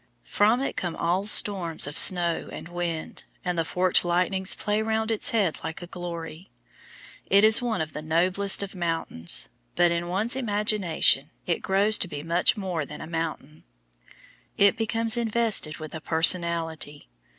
From it come all storms of snow and wind, and the forked lightnings play round its head like a glory. It is one of the noblest of mountains, but in one's imagination it grows to be much more than a mountain. It becomes invested with a personality.